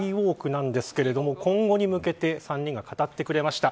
Ｄ‐ｗａｌｋなんですが今後に向けて３人が語ってくれました。